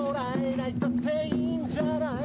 「抱いたっていいんじゃない」